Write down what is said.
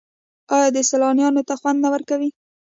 آیا دا سیلانیانو ته خوند نه ورکوي؟